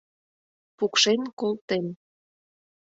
Пукшен колтем.